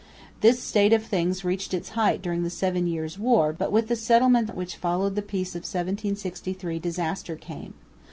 This state of things reached its height during the Seven Years' War, but with the settlement which followed the peace of 1763 disaster came.